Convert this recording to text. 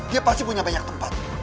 dia pasti punya banyak tempat